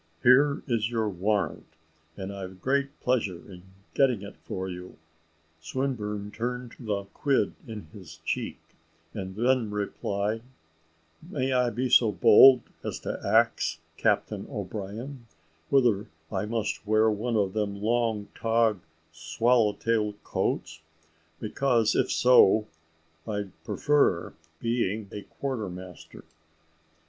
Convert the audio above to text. Here is your warrant, and I've great pleasure in getting it for you." Swinburne turned the quid in his cheek, and then replied, "May I be so bold as to ax, Captain O'Brien, whether I must wear one of them long tog, swallow tailed coats because if so, I'd prefer being a quarter master?"